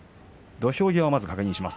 土俵際を確認します。